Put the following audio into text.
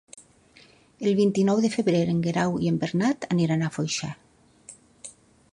El vint-i-nou de febrer en Guerau i en Bernat aniran a Foixà.